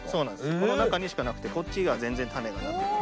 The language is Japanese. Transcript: この中にしかなくてこっちが全然種がなくって。